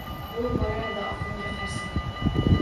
U borardi oqimga qarshi.